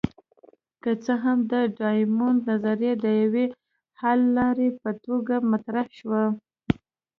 که څه هم د ډایمونډ نظریه د یوې حللارې په توګه مطرح شوه.